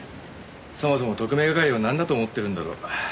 そもそも特命係をなんだと思ってるんだろう。